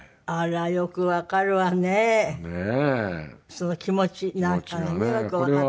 その気持ちなんかがねよくわかってくれる。